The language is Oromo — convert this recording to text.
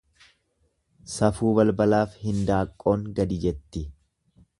Safuu balbalaaf hindaanqoon gadi jetti.